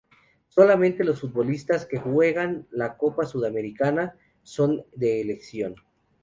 Solamente los futbolistas que juegan la Copa Sudamericana son de elección.